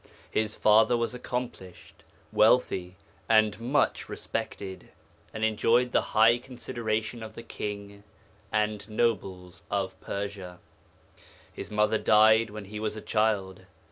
His father was accomplished, wealthy, and much respected, and enjoyed the high consideration of the King and nobles of Persia. His mother died when he was a child.